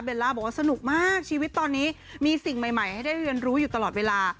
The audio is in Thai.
ล่าบอกว่าสนุกมากชีวิตตอนนี้มีสิ่งใหม่ให้ได้เรียนรู้อยู่ตลอดเวลา